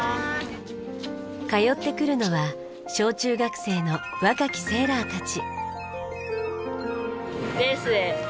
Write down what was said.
通ってくるのは小中学生の若きセーラーたち。